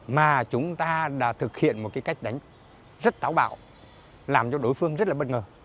ngoài ra đại đoàn kết đánh rất thảo bạo làm cho đối phương rất là bất ngờ